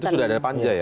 itu sudah ada panja ya